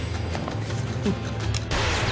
フッ。